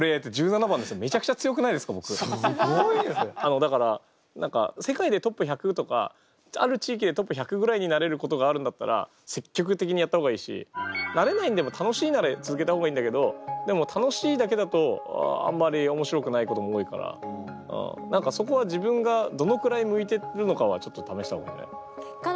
だから何か世界でトップ１００とかある地域でトップ１００ぐらいになれることがあるんだったら積極的にやった方がいいしなれないんでも楽しいなら続けた方がいいんだけどでも楽しいだけだとあんまり面白くないことも多いから何かそこは自分がどのくらい向いてるのかはちょっと試した方がいいんじゃない？